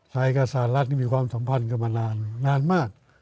ใส่กับสหรัฐมีความสัมพันธ์กันมานานนานมาก